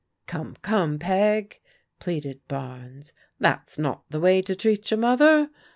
" Come, come. Peg," pleaded Barnes, " that's not the way to treat your mother.